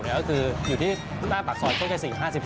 ก็คืออยู่ที่หน้าปากซอยโฆษศรี๕๔